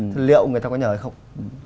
thì liệu người ta có nhờ hay không